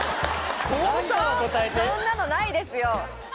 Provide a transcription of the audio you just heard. そんなのないですよ